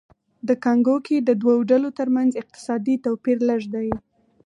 د کانګو کې د دوو ډلو ترمنځ اقتصادي توپیر لږ دی